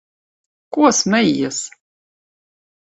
Ko smejies?